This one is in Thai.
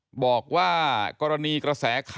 กรณีกระแสข่าวว่าสภาธนาความเตรียมสอบมัญญาติทนายสิทธา